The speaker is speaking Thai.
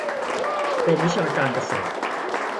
กรมวิชาการเกษตร